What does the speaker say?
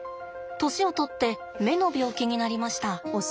年をとって目の病気になりました。